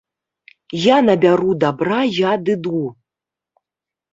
Я набяру дабра і адыду.